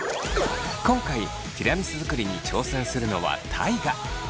今回ティラミス作りに挑戦するのは大我。